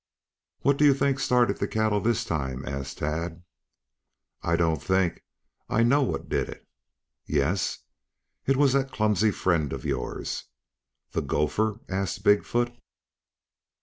"What do you think started the cattle this time?" asked Tad. "I don't think. I know what did it." "Yes?" "It was that clumsy friend of yours." "The gopher?" asked Big foot.